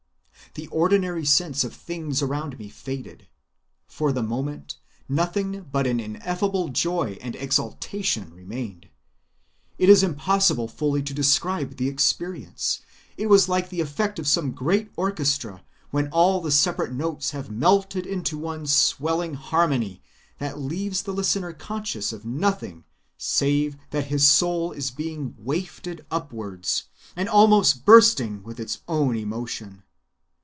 The ordinary sense of things around me faded. For the moment nothing but an ineffable joy and exaltation remained. It is impossible fully to describe the experience. It was like the effect of some great orchestra when all the separate notes have melted into one swelling harmony that leaves the listener conscious of nothing save that his soul is being wafted upwards, and almost bursting with its own emotion.